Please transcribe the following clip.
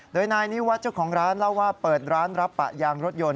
โดยนายนิวัตรเจ้าของร้านเล่าว่าเปิดร้านรับปะยางรถยนต